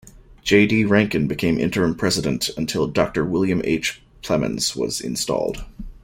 J. D. Rankin became interim president until Doctor William H. Plemmons was installed.